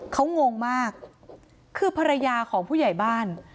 เขางงมากคือภรรยาของผู้ใหญ่บ้าน